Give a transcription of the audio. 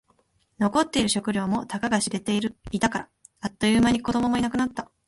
残っている食料もたかが知れていたから。あっという間に子供もいなくなった。